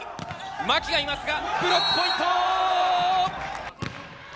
牧がいますがブロックポイント。